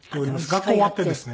学校終わってですね。